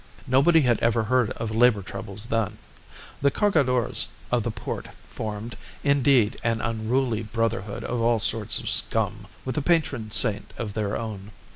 Nobody had ever heard of labour troubles then. The Cargadores of the port formed, indeed, an unruly brotherhood of all sorts of scum, with a patron saint of their own.